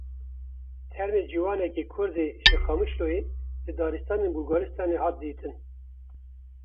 Termê ciwanekî kurd ê ji Qamişloyê li daristanên Bulgaristanê hat dîtin.